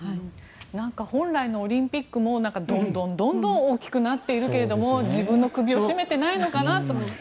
本来のオリンピックもどんどん大きくなっているけれども自分の首を絞めてないのかなと。